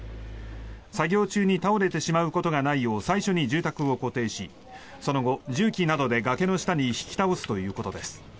作業中に倒れてしまうことがないよう最初に住宅を固定しその後、重機などで崖の下に引き倒すということです。